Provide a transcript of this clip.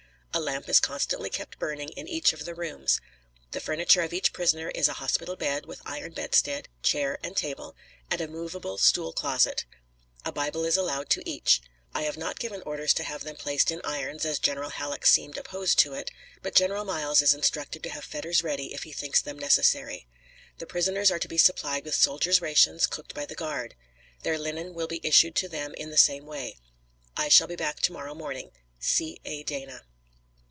A lamp is constantly kept burning in each of the rooms. The furniture of each prisoner is a hospital bed, with iron bedstead, chair and table, and a movable stool closet. A Bible is allowed to each. I have not given orders to have them placed in irons, as General Halleck seemed opposed to it, but General Miles is instructed to have fetters ready if he thinks them necessary. The prisoners are to be supplied with soldiers' rations, cooked by the guard. Their linen will be issued to them in the same way. I shall be back to morrow morning. C. A. DANA.